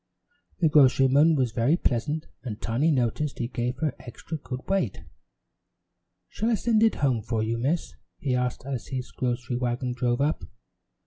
The grocerman was very pleasant and Tiny noticed he gave her extra good weight. "Shall I send it home for you, Miss?" he asked as his grocery wagon drove up.